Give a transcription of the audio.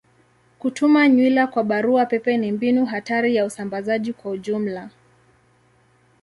Kutuma nywila kwa barua pepe ni mbinu hatari ya usambazaji kwa ujumla.